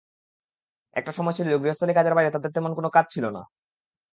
একটা সময় ছিল গৃহস্থালি কাজের বাইরে তাঁদের তেমন কোনো কাজ ছিল না।